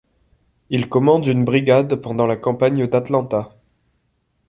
Il commande une brigade pendant la campagne d'Atlanta.